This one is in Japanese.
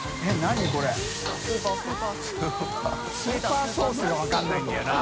スーパーソースが分からないんだよな。